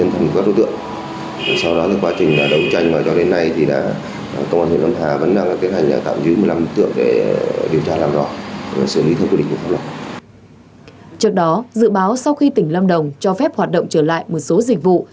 trước đó dự báo sau khi tỉnh lâm đồng cho phép hoạt động trở lại một số dịch vụ